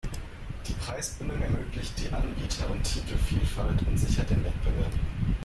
Die Preisbindung ermöglicht die Anbieter- und Titelvielfalt und sichert den Wettbewerb.